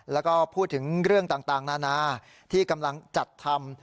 แล้วก็พูดถึงเรื่องต่างนานาที่กำลังจัดทำ